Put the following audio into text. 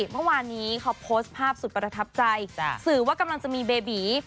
เมื่อวานนี้เขาโพสต์ภาพสุดประทับใจสื่อว่ากำลังจะมีเบบี